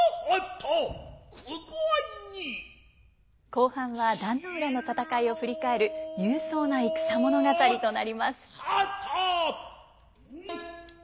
後半は壇ノ浦の戦いを振り返る勇壮な戦物語となります。